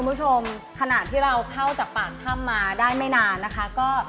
คุณผู้ชมขณะที่เราเข้าจากปากถ้ำมาได้ไม่นานนะคะก็